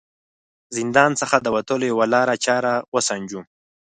زندان څخه د وتلو یوه لاره چاره و سنجوم.